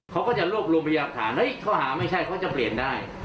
เขาก็จะรวบรวมพยาฐานเฮ้ยข้อหาไม่ใช่เขาจะเปลี่ยนได้